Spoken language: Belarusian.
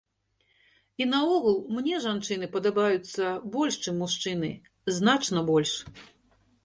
І наогул мне жанчыны падабаюцца больш чым мужчыны, значна больш.